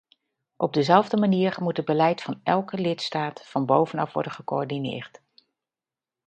Op dezelfde manier moet het beleid van elke lidstaat van bovenaf worden gecoördineerd.